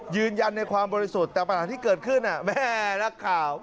ยืนยันในความบริสุทธิ์แต่ปัญหาที่เกิดขึ้นแม่นักข่าว